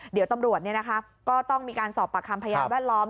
เดี๋ยวตำรวจเนี่ยนะฮะก็ต้องมีการสอบประคัมพยาบาดล้อม